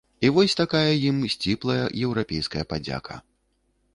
І вось такая ім сціплая еўрапейская падзяка.